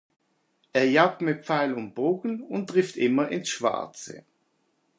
Er jagt mit Pfeil und Bogen und trifft immer ins Schwarze.